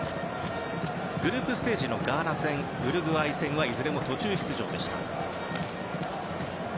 グループステージのガーナ戦、ウルグアイ戦はいずれも途中出場でした。